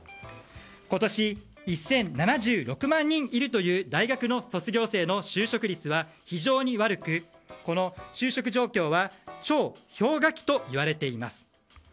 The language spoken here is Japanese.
今年１０７６万人いるという大学の卒業生の就職率は非常に悪くこの就職状況は超氷河期と言われています。